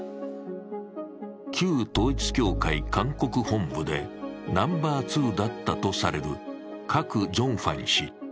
旧統一教会・韓国本部でナンバー２だったとされるカク・ジョンファン氏。